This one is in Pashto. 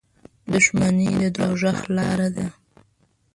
• دښمني د دوزخ لاره ده.